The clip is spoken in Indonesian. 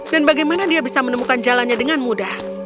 dan bagaimana dia bisa menemukan jalannya dengan mudah